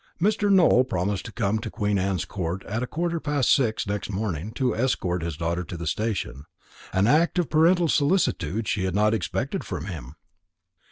Mr. Nowell promised to come to Queen Anne's Court at a quarter past six next morning, to escort his daughter to the station, an act of parental solicitude she had not expected from him.